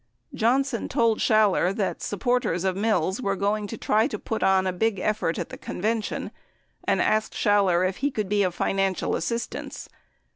Johnson told Schaller that supporters of Mills were going to try to put on a big effort at the convention, and asked Schaller if he could be of financial assistance.